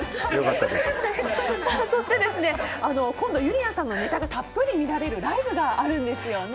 そして今度ゆりやんさんのネタがたっぷり見られるライブがあるんですよね。